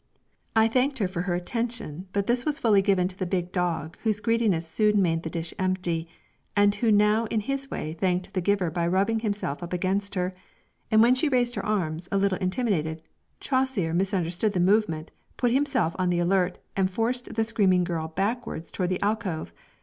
I thanked her for her attention; but this was fully given to the big dog, whose greediness soon made the dish empty, and who now in his way thanked the giver by rubbing himself up against her; and when she raised her arms, a little intimidated, Chasseur misunderstood the movement, put himself on the alert, and forced the screaming girl backwards toward the alcove.